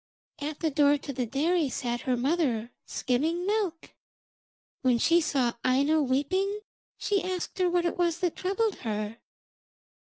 At the door of the dairy sat her mother, skimming milk. When she saw Aino weeping she asked her what it was that troubled her.